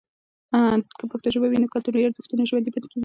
که پښتو ژبه وي، نو کلتوري ارزښتونه ژوندۍ پاتې کیږي.